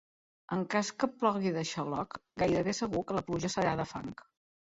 En cas que plogui de xaloc, gairebé segur que la pluja serà de fang.